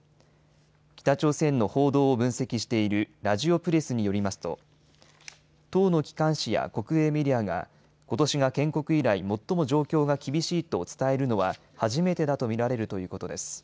北朝鮮の報道を分析しているラヂオプレスによりますと党の機関紙や国営メディアがことしが建国以来、最も状況が厳しいと伝えるのは初めてだと見られるということです。